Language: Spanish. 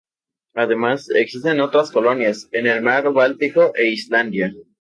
Además, existen otras colonias en el Mar Báltico e Islandia.